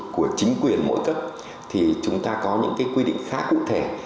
của chính quyền mỗi cấp thì chúng ta có những quy định khá cụ thể